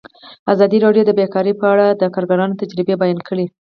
ازادي راډیو د بیکاري په اړه د کارګرانو تجربې بیان کړي.